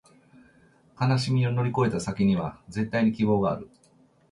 悲しみを乗り越えた先には、絶対に希望がある